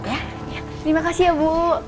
terima kasih ya bu